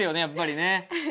やっぱりね。